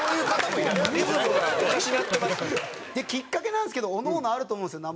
きっかけなんですけどおのおのあると思うんですよ